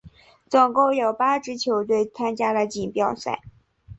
总共有八支球队参加了锦标赛。